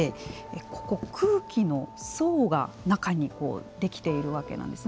ここ、空気の層が中にできているわけなんですね。